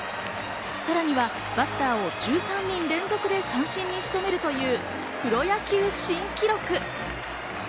さらにはバッターを１３人連続で三振に仕留めるというプロ野球新記録。